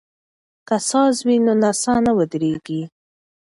که ساز وي نو نڅا نه ودریږي.